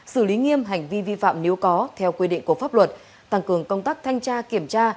xử lý nghiêm hành vi vi phạm nếu có theo quy định của pháp luật tăng cường công tác thanh tra kiểm tra